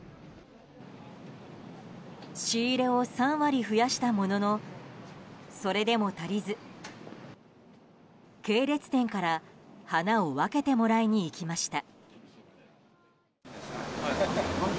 仕入れを３割増やしたもののそれでも足りず系列店から花を分けてもらいに行きました。